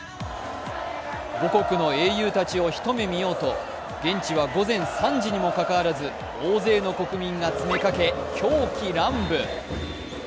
母国の英雄たちを一目見ようと、時刻は午前３時にもかかわらず、大勢の国民が詰めかけ狂喜乱舞。